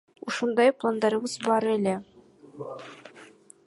Ушундай пландарыбыз бар эле.